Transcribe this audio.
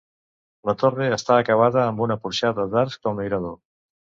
La torre està acabada amb una porxada d'arcs com a mirador.